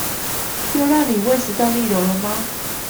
又讓你胃食道逆流了嗎？